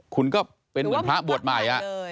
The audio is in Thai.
คุณก็เป็นเหมือนพระบวชใหม่